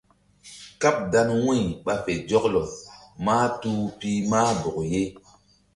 Káɓ dan wu̧y ɓa fe zɔklɔ mahtuh pih mah bɔk ye.